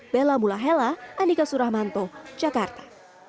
bella mulahela andika suramanto jakarta